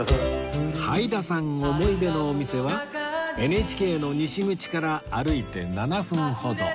はいださん思い出のお店は ＮＨＫ の西口から歩いて７分ほど